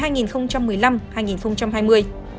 nhiệm kỳ hai nghìn một mươi năm hai nghìn hai mươi